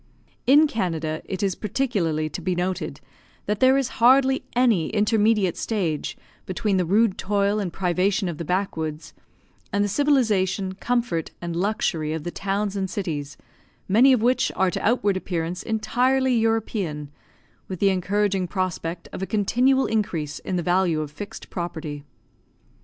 In Canada, it is particularly to be noted, that there is hardly any intermediate stage between the rude toil and privation of the back woods, and the civilisation, comfort, and luxury of the towns and cities, many of which are to outward appearance entirely European, with the encouraging prospect of a continual increase in the value of fixed property.